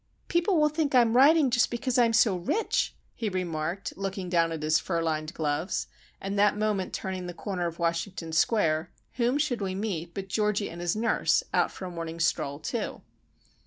"People will think I am riding just because I am so Rich," he remarked, looking down at his fur lined gloves;—and that moment turning the corner of Washington Square, whom should we meet but Georgie and his nurse, out for a morning stroll, too.